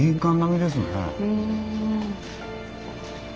うん。